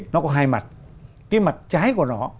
nó có hai mặt cái mặt trái của nó